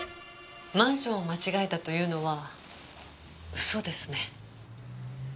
マンションを間違えたというのは嘘ですね。